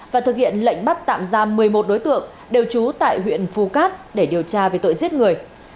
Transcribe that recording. và thực hiện lệnh bắt tạm giam một mươi một đối tượng đều trú tại huyện phu cát để điều tra về tội giết người